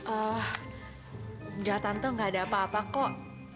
eh enggak aku gak ada apa apa kok